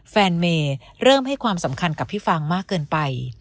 เมย์เริ่มให้ความสำคัญกับพี่ฟางมากเกินไป